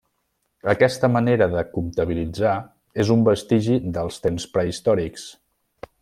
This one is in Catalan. Aquesta manera de comptabilitzar és un vestigi dels temps prehistòrics.